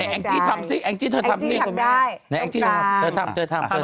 แอ็งจี้ทำสิแอ้งจี้แองจี้แอ็งจี้เธอทำได้